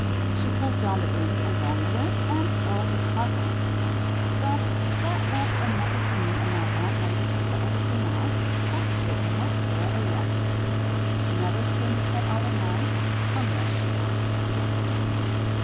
She pulled down the ink along with it, and soiled the carpet, but that was a matter for me and my landlady to settle between us; puss did not care a rat. Never turn your cat out at night unless she asks to go.